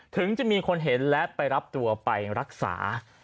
ถึงจะมีคนเห็นและไปรับตัวไปรักษา